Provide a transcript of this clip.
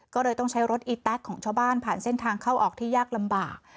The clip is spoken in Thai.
ก็เลยต้องใช้รถอีแต๊กของชาวบ้านผ่านเส้นทางเข้าออกที่ยากลำบาก